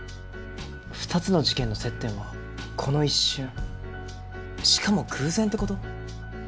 ２つの事件の接点はこの一瞬しかも偶然って事？